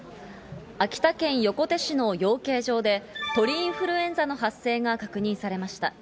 秋田県横手市の養鶏場で、鳥インフルエンザの発生が確認されました。